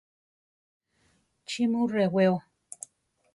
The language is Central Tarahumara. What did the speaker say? ¿Chí mu rewéo?